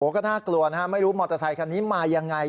ก็น่ากลัวนะฮะไม่รู้มอเตอร์ไซคันนี้มายังไง